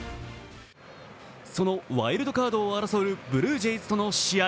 そのワイルドカードを争うブルージェイズとの試合。